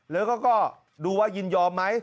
แล้วก็ดูว่ายินยอมไหม